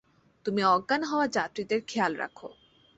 তুমি অজ্ঞান হওয়া যাত্রীদের খেয়াল রাখো।